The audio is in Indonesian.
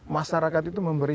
masyarakat itu memberi